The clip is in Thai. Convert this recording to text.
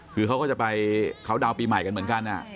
คือเขาก็จะไปเคาน์ดาวน์ปีใหม่กันเหมือนกัน